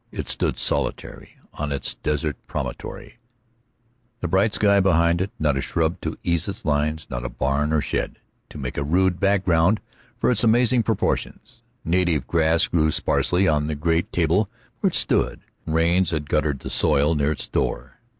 It stood solitary on its desert promontory, the bright sky behind it, not a shrub to ease its lines, not a barn or shed to make a rude background for its amazing proportions. Native grass grew sparsely on the great table where it stood; rains had guttered the soil near its door.